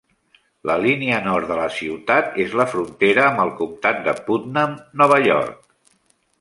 La línia nord de la ciutat és la frontera amb el comtat de Putnam, Nova York.